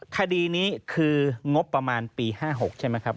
คดีนี้คืองบประมาณปี๕๖ใช่ไหมครับ